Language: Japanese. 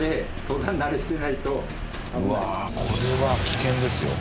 これは危険ですよ。